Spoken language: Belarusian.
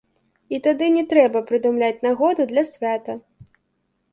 І тады не трэба прыдумляць нагоду для свята.